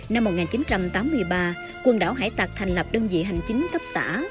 năm một nghìn chín trăm tám mươi ba quần đảo hải tạc thành lập đơn vị hành chính cấp xã